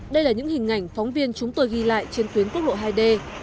đây là những hình ảnh phóng viên chúng tôi ghi lại trên tuyến quốc lộ hai d